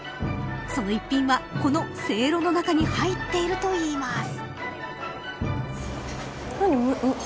その一品はこのセイロの中に入っているといいます。